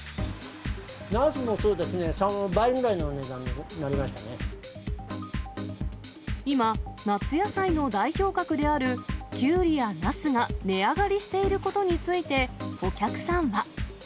ナスもそうですね、倍ぐらい今、夏野菜の代表格であるキュウリやナスが値上がりしていることについて、お客さんは。